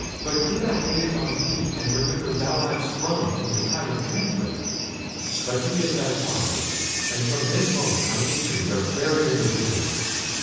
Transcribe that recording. But could I gaze on thee, and remember thou art sprung from the tyrant Manfred! But he is thy father, and from this moment my injuries are buried in oblivion."